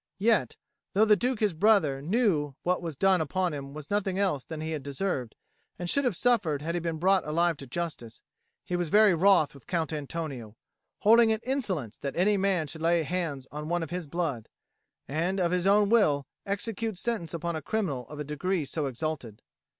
Yet, though the Duke his brother knew that what was done upon him was nothing else than he had deserved and should have suffered had he been brought alive to justice, he was very wroth with Count Antonio, holding it insolence that any man should lay hands on one of his blood, and, of his own will, execute sentence upon a criminal of a degree so exalted.